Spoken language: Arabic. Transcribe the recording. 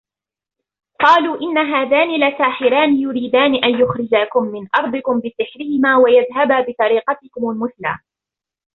قَالُوا إِنْ هَذَانِ لَسَاحِرَانِ يُرِيدَانِ أَنْ يُخْرِجَاكُمْ مِنْ أَرْضِكُمْ بِسِحْرِهِمَا وَيَذْهَبَا بِطَرِيقَتِكُمُ الْمُثْلَى